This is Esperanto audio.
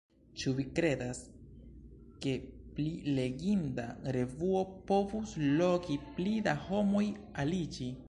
Ĉu vi kredas, ke pli leginda revuo povus logi pli da homoj aliĝi?